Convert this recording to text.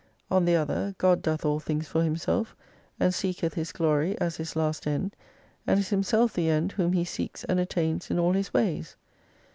On the other God doth all things for Himself, and seeketh His glory as His last end, and is Himself the end whom He seeks and attains in all His ways.